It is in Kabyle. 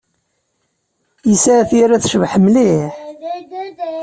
Yesɛa tira tecbeḥ mliḥ.